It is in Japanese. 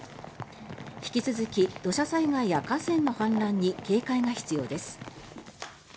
引き続き土砂災害や河川の氾濫に警戒が必要です。